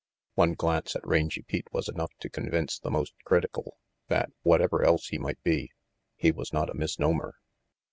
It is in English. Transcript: One glance at Rangy Pete was enough to convince the most critical that, whatever else he might be, he was not a misnomer.